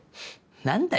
何だよ？